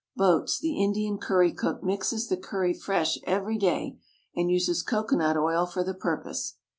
boats the Indian curry cook mixes the curry fresh every day and uses cocoanut oil for the purpose.